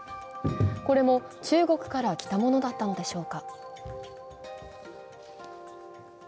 これも中国から来たものだったのでしょうか。